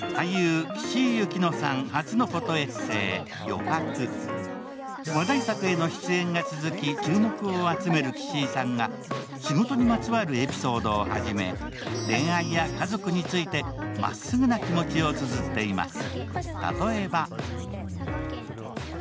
相方の又吉さんは話題作への出演が続き注目を集める岸井さんが仕事にまつわるエピソードをはじめ、恋愛や家族についてまっすぐな気持ちをつづっています。